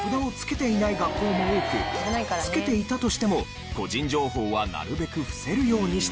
付けていたとしても個人情報はなるべく伏せるようにしているんです。